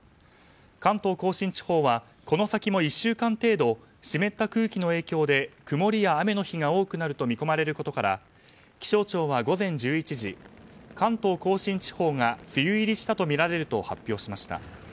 関東・甲信地方はこの先も１週間程度湿った空気の影響で曇りや雨の日が多くなると見込まれることから気象庁は午前１１時関東・甲信地方が梅雨入りしたとみられると発表しました。